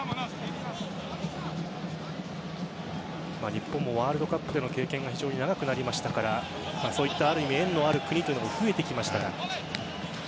日本もワールドカップでの経験が非常に長くなりましたからそういった縁のある国が増えてきました。